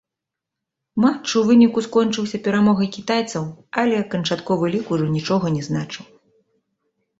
Матч у выніку скончыўся перамогай кітайцаў, але канчатковы лік ужо нічога не значыў.